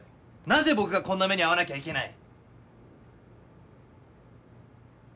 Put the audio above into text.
なぜ僕がこんな目に遭わなきゃいけない。